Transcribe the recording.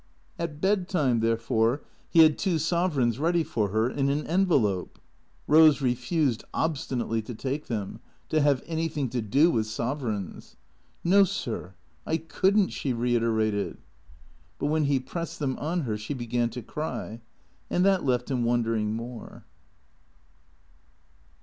At bed time, therefore, he had two sovereigns ready for her in an envelope. Rose refused obstinately to take them; to have anything to do with sovereigns. " No, sir, I could n't," she reiterated. But when he pressed them on her she began to cry. And that left him wondering more.